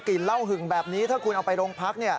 เหล้าหึงแบบนี้ถ้าคุณเอาไปโรงพัก